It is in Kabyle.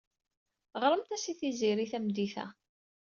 Ɣremt-as i Tiziri tameddit-a.